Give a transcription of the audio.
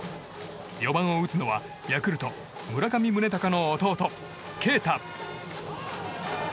４番を打つのはヤクルト、村上宗隆の弟・慶太。